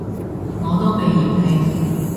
我都被嫌棄